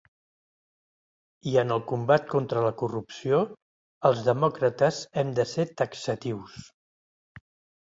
I en el combat contra la corrupció, els demòcrates hem de ser taxatius.